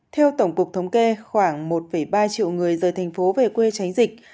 theo tổng cục thống kê khoảng một ba triệu người rời thành phố về quê tránh dịch